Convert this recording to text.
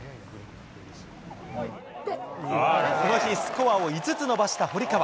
この日、スコアを５つ伸ばした堀川。